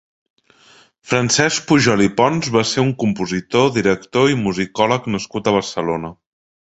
Francesc Pujol i Pons va ser un compositor, director i musicòleg nascut a Barcelona.